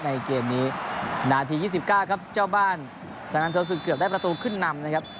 เกมนี้นาที๒๙ครับเจ้าบ้านสนานันทรศึกเกือบได้ประตูขึ้นนำนะครับ